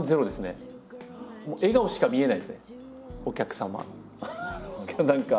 お客様の。